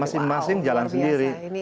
masing masing jalan sendiri